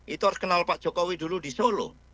itu harus kenal pak jokowi dulu di solo